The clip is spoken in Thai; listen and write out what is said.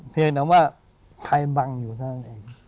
เพียงหนังว่าใครบังอยู่ทั้งเอง